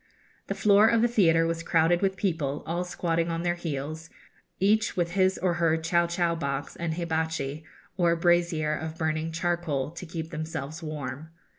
The floor of the theatre was crowded with people, all squatting on their heels, each with his or her chow chow box and hibatchi or brazier of burning charcoal to keep themselves warm.